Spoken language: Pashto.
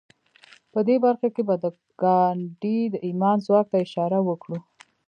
په دې برخه کې به د ګاندي د ايمان ځواک ته اشاره وکړو.